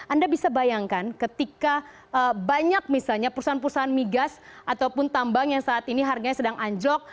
anda bisa bayangkan ketika banyak misalnya perusahaan perusahaan migas ataupun tambang yang saat ini harganya sedang anjlok